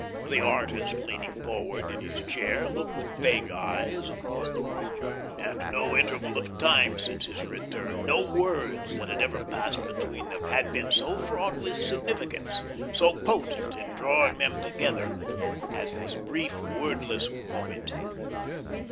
The artist, leaning forward in his chair, looked with vague eyes across the room. And no interval of time since his return, no words that had ever passed between them, had been so fraught with significance, so potent in drawing them together as this brief, wordless moment.